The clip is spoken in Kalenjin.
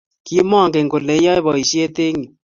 kimangen kole iyae boishet eng yuu